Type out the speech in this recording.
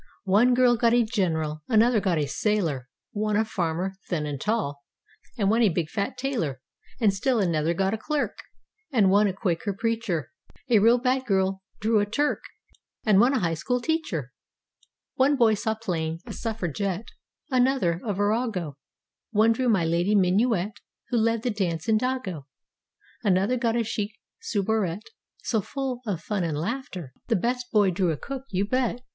One girl got a general; Another got a sailor; One a farmer, thin and tall. And one a big, fat tailor; And still another got a clerk. And one a Quaker preacher! A real bad school girl drew a Turk! And one a High School teacher! One boy saw plain, a suffragette; Another, a virago; One drew My Lady Minuet Who led the dance in Dago. Another got a chic soubrette. So full of fun and laughter; The best boy drew a cook, you bet.